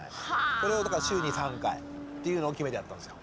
これを週に３回っていうのを決めてやったんですよ。